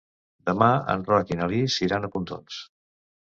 Demà en Roc i na Lis iran a Pontons.